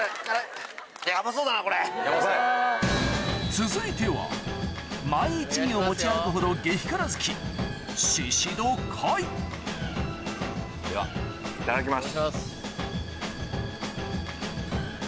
続いてはｍｙ一味を持ち歩くほど激辛好きではいただきます。